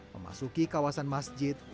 memasuki kawasan masjid